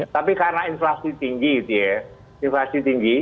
tapi karena inflasi tinggi gitu ya inflasi tinggi